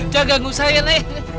jangan ganggu saya nek